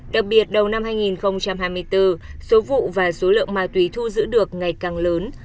đặc biệt đầu năm hai nghìn hai mươi bốn số vụ và số lượng ma túy thu giữ được ngày càng lớn